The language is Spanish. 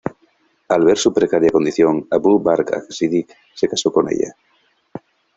Al ver su precaria condición, Abu Bakr as-Siddiq se casó con ella.